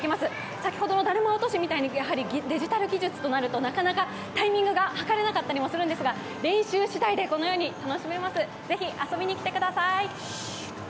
先ほどのだるま落としみたいにデジタル技術となるとなかなかタイミングが図れなかったりするんですが練習しだいで、このように楽しめます、是非、遊びに来てください。